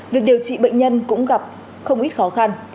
việc điều trị bệnh nhân cũng gặp không ít khó khăn